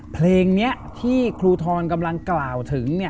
เพลงนี้ที่ครูทรกำลังกล่าวถึง